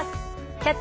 「キャッチ！